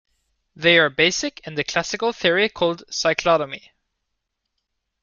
They are basic in the classical theory called cyclotomy.